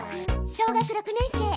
小学６年生。